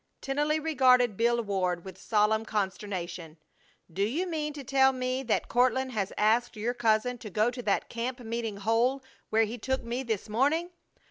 Tennelly regarded Bill Ward with solemn consternation. "Do you mean to tell me that Court has asked your cousin to go to that camp meeting hole where he took me this morning?